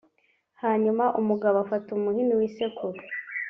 hanyuma umugabo afata umuhini w’isekuru